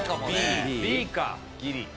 Ｂかギリ。